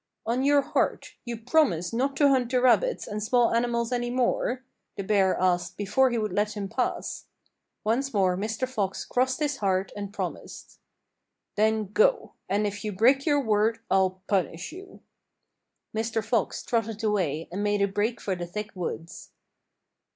"On your heart you promise not to hunt the rabbits and small animals any more?" the Bear asked before he would let him pass. Once more Mr. Fox crossed his heart and promised. "Then go, and if you break your word I'll punish you." Mr. Fox trotted away and made a break for the thick woods.